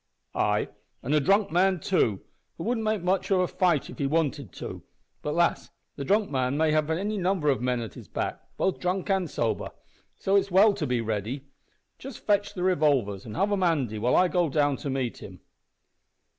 "Ay, an' a drunk man too, who couldn't make much of a fight if he wanted to. But lass, the drunk man may have any number of men at his back, both drunk and sober, so it's well to be ready. Just fetch the revolvers an' have 'em handy while I go down to meet him."